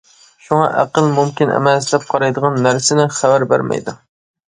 شۇڭا ئەقىل مۇمكىن ئەمەس دەپ قارايدىغان نەرسىنى خەۋەر بەرمەيدۇ.